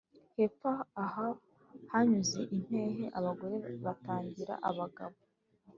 Hepfo aha hanyuze impehe.-Abagore batagira abagabo.